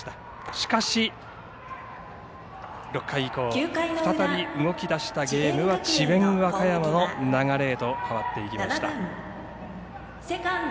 しかし６回以降、再び動きだしたゲームは智弁和歌山の流れへと変わっていきました。